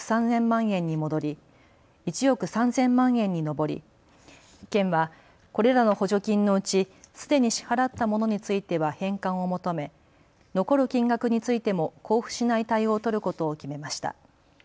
およそ１億３０００万円に上り県はこれらの補助金のうちすでに支払ったものについては返還を求め、残る金額についても交付しない対応を取ることを決めました。